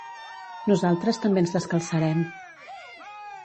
Nosaltres també ens descalçarem.